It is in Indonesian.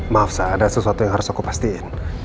maaf ada sesuatu yang harus aku pastiin